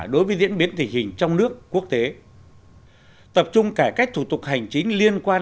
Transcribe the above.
đối với diễn biến tình hình trong nước quốc tế tập trung cải cách thủ tục hành chính liên quan